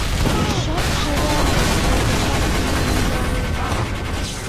Шәп-шәрә ҡайтасаҡ инең инде ауыл га.